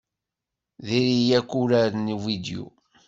Diri-yak uraren uvidyu.